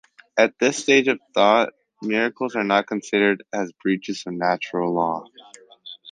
At this stage of thought, miracles are not considered as breaches of natural law.